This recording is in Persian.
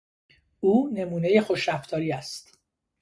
او نمونهی خوش رفتاری است.